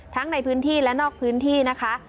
ทั้งในพื้นที่และนอกพื้นที่นะคะ